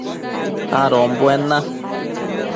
adombuen na